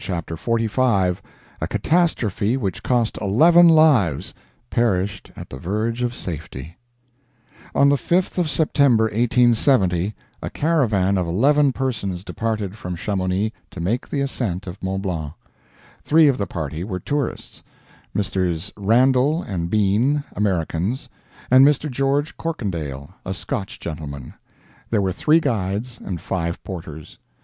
CHAPTER XLV A Catastrophe Which Cost Eleven Lives On the 5th of September, 1870, a caravan of eleven persons departed from Chamonix to make the ascent of Mont Blanc. Three of the party were tourists; Messrs. Randall and Bean, Americans, and Mr. George Corkindale, a Scotch gentleman; there were three guides and five porters.